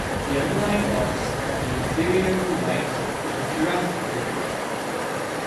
The underlying rocks are Inferior Oolite of the Jurassic period.